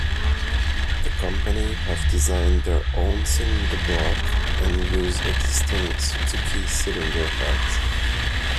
The company have designed their own cylinder block and use existing Suzuki cylinder heads.